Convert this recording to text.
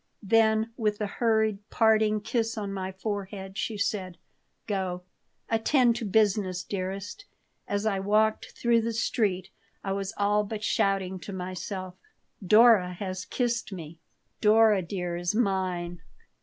Then, with a hurried parting kiss on my forehead, she said: "Go. Attend to business, dearest." As I walked through the street I was all but shouting to myself: "Dora has kissed me! Dora dear is mine!"